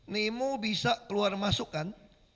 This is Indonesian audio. nemo bisa keluar masukkan